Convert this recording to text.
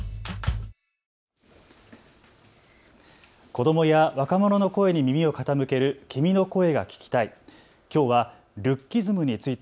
子どもや若者の声に耳を傾ける君の声が聴きたい。